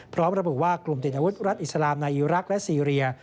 พร้อมระบุว่ากลุ่มติดอาวุธรัฐอิสลามในอีรักษ์และซีเรีย